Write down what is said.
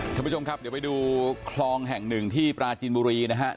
ท่านผู้ชมครับเดี๋ยวไปดูคลองแห่งหนึ่งที่ปราจีนบุรีนะครับ